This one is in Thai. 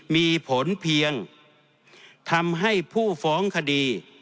มีผลเพียงทำให้ผู้ฟ้องคดี